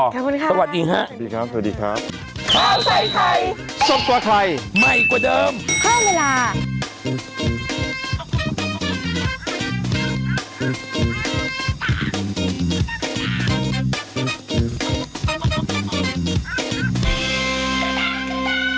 ขอบคุณครับสวัสดีครับสวัสดีครับสวัสดีครับสวัสดีครับ